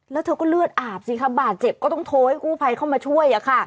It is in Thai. แล้วเธอก็เลือดอาบสิคะบาดเจ็บก็ต้องโทรให้กู้ภัยเข้ามาช่วย